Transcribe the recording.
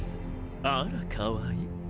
あらかわいい。